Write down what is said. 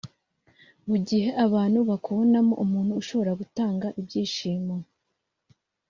Mu gihe abantu bakubonamo umuntu ushobora gutanga ibyishimo